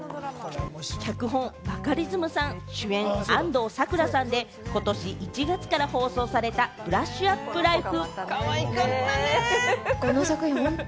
脚本・バカリズムさん、主演・安藤サクラさんでことし１月から放送された『ブラッシュアップライフ』。